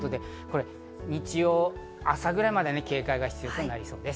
日曜朝くらいまで警戒が必要になりそうです。